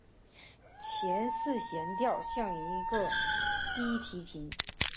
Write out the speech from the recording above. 前四弦调像一个低提琴。